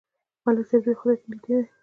ملک صاحب ډېر خدای ته نږدې دی.